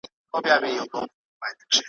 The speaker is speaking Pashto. پړ مي که مړ مي که ,